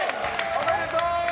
おめでとう！